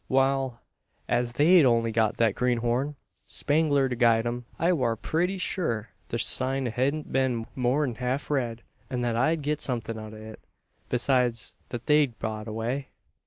Wal; as they'd only got that greenhorn, Spangler, to guide 'em, I war putty sure the sign hedn't been more'n helf read; an that I'd get somethin' out o' it, beside what they'd brought away."